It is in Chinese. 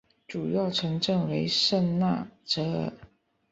主要城镇为圣纳泽尔。